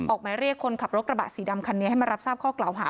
หมายเรียกคนขับรถกระบะสีดำคันนี้ให้มารับทราบข้อกล่าวหา